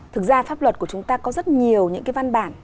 thực ra pháp luật của chúng ta có rất nhiều những cái văn bản